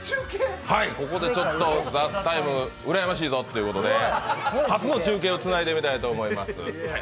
ここで「ＴＨＥＴＩＭＥ，」うらやましいぞということで初の中継をつないでみたいと思います。